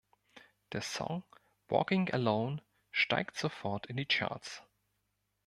Der Song "Walking Alone" steigt sofort in die Charts.